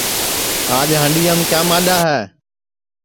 آج ھانڈؔیام کیا ماڈؔا ہے